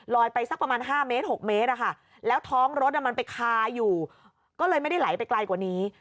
ไปสักประมาณ๕เมตร๖เมตรแล้วท้องรถมันไปคาอยู่ก็เลยไม่ได้ไหลไปไกลกว่านี้